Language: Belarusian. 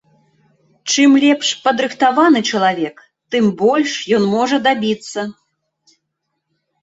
Чым лепш падрыхтаваны чалавек, тым больш ён можа дабіцца.